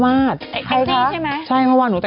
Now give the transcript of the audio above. สวัสดีค่ะข้าวใส่ไข่สดใหม่เยอะสวัสดีค่ะ